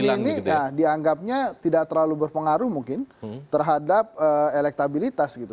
hal hal begini nah dianggapnya tidak terlalu berpengaruh mungkin terhadap elektabilitas gitu